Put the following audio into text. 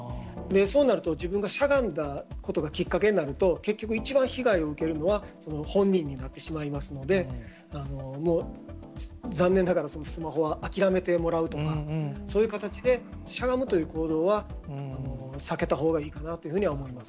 そうなると、自分がしゃがんだことがきっかけになると、結局、一番被害を受けるのは、その本人になってしまいますので、残念ながら、そのスマホは諦めてもらうとか、そういう形で、しゃがむという行動は避けたほうがいいかなというふうには思いま